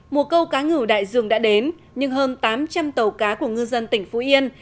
mùa câu cá ngừ đại dương đã đến nhưng hơn tám trăm linh tàu cá của ngư dân tỉnh phú yên